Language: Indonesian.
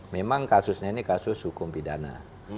memang kasusnya ini kasus hukum pidana